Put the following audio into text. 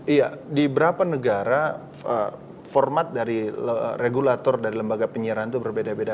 iya di berapa negara format dari regulator dari lembaga penyiaran itu berbeda beda